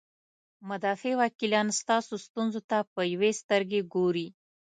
مدافع وکیلان ستاسو ستونزو ته په یوې سترګې ګوري.